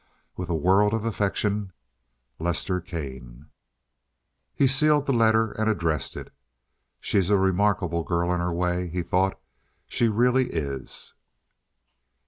"With a world of affection. "LESTER KANE." He sealed the letter and addressed it. "She's a remarkable girl in her way," he thought. "She really is."